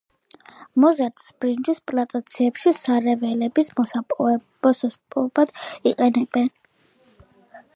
მოზარდს ბრინჯის პლანტაციებში სარეველების მოსასპობად იყენებენ.